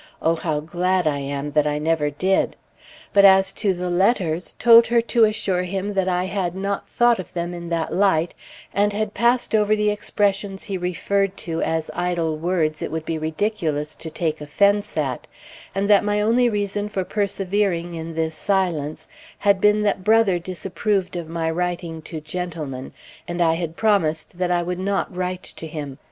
(O how glad I am that I never did!) But as to the letters, told her "to assure him that I had not thought of them in that light, and had passed over the expressions he referred to as idle words it would be ridiculous to take offense at; and that my only reason for persevering in this silence had been that Brother disapproved of my writing to gentlemen, and I had promised that I would not write to him.